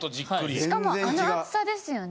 しかもあの厚さですよね？